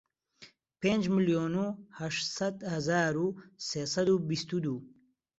پێنج ملیۆن و هەشت سەد هەزار و سێ سەد و بیست و دوو